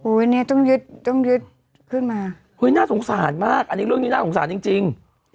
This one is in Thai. อุ้ยต้องยึดขึ้นมาน่าสงสารมากเรื่องนี้น่าสงสารจริง